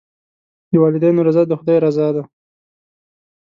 د والدینو رضا د خدای رضا ده.